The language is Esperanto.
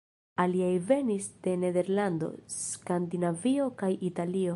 Aliaj venis de Nederlando, Skandinavio kaj Italio.